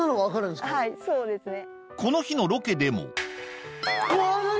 この日のロケでもうわ何？